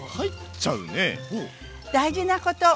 大事なこと。